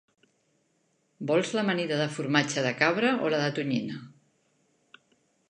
Vols l'amanida de formatge de cabra o la de tonyina?